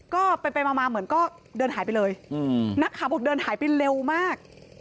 ก็ไปมาเหมือนก็เดินหายไปเลยนักข่าวบอกเดินหายไปเร็วมาก